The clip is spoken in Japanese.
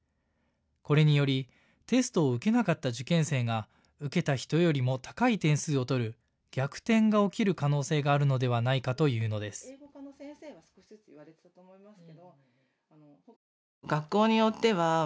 これによりテストを受けなかった受験生が受けた人よりも高い点数を取る逆転が起きる可能性があるのではないかというのです。